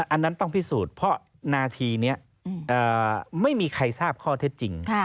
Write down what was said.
อันนั้นต้องพิสูจน์เพราะนาทีนี้ไม่มีใครทราบข้อเท็จจริง